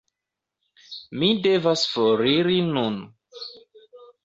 Mi devas foriri nun.